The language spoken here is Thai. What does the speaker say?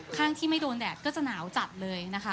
ข้างที่ไม่โดนแดดก็จะหนาวจัดเลยนะคะ